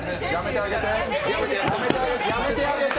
やめてあげて！